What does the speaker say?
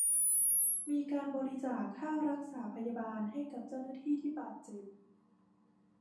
มีการบริจาคค่ารักษาพยาบาลให้กับเจ้าหน้าที่ที่บาดเจ็บ